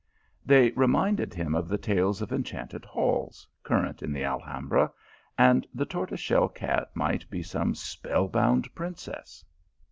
They reminded him of the tales of enchanted halls, current in the Alham bra ; and the tortoise shell cat might be some spell bound princess.